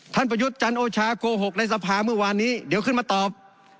ประยุทธ์จันโอชาโกหกในสภาเมื่อวานนี้เดี๋ยวขึ้นมาตอบ